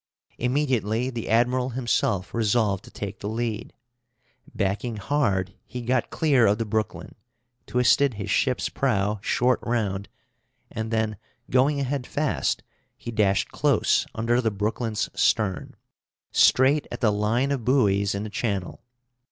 Immediately, the admiral himself resolved to take the lead. Backing hard he got clear of the Brooklyn, twisted his ship's prow short round, and then, going ahead fast, he dashed close under the Brooklyn's stern, straight at the line of buoys in the channel.